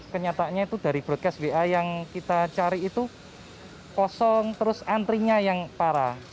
kenyataannya itu dari broadcast wa yang kita cari itu kosong terus antrinya yang parah